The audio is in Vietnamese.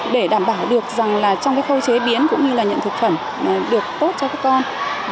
để đảm bảo được trong khu chế biến cũng như nhận thực phẩm được tốt cho các con